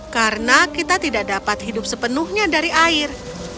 karena kita tidak dapat hidup sepenuhnya dari air